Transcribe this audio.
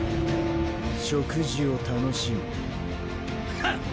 食事を楽しむハッ！